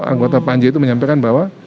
anggota panji itu menyampaikan bahwa